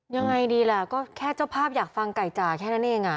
ยังไงดีล่ะก็แค่เจ้าภาพอยากฟังไก่จ่าแค่นั้นเอง